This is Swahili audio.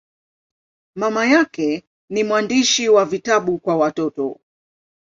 Mama yake ni mwandishi wa vitabu kwa watoto.